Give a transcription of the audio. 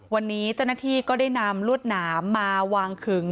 วันนี้เจ้าหน้าที่ก็ได้นำลวดหนามมาวางขึง